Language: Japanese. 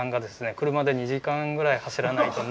車で２時間ぐらい走らないとないという。